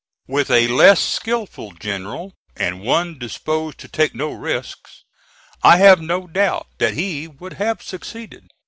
With a less skilful general, and one disposed to take no risks, I have no doubt that he would have succeeded.